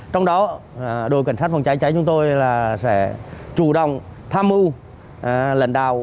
trong đó đội cảnh sát phòng cháy cháy chúng tôi sẽ chủ động tham mưu lãnh đạo